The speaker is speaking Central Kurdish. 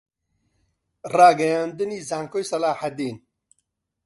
ڕاگەیاندنی زانکۆی سەلاحەددین